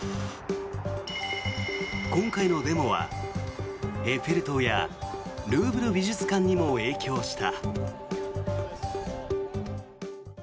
今回のデモは、エッフェル塔やルーブル美術館にも影響した。